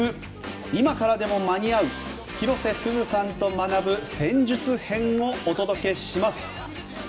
今からでも間に合う広瀬すずさんと学ぶ戦術編をお届けします。